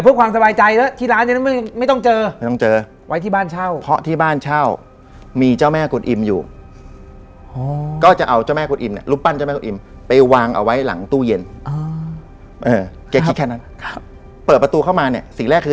คนเหล่านั้นมาสวดศพ